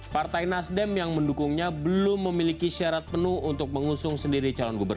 partai nasdem yang mendukungnya belum memiliki syarat penuh untuk mengusung sendiri calon gubernur